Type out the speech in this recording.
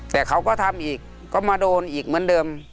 แต่เขาก็ทำอีกก็มาโดนอีกเหมือนเดิม